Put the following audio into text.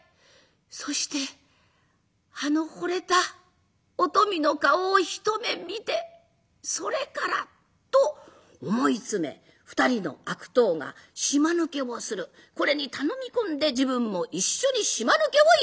そしてあのほれたお富の顔を一目見てそれから」と思い詰め２人の悪党が島抜けをするこれに頼み込んで自分も一緒に島抜けをいたしました。